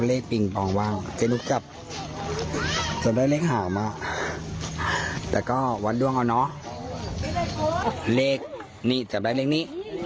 เลขนี่จับได้เลขนี้